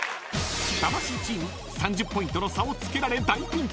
［魂チーム３０ポイントの差をつけられ大ピンチ］